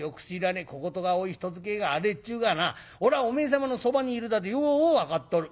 小言が多い人使えが荒えっちゅうがなおらはおめえ様のそばにいるだでよう分かっとる。